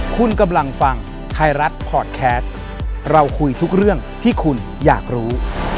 คุณกำลังฟังไทยรัฐพอร์ตแคสต์เราคุยทุกเรื่องที่คุณอยากรู้